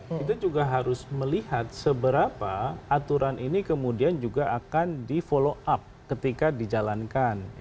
kita juga harus melihat seberapa aturan ini kemudian juga akan di follow up ketika dijalankan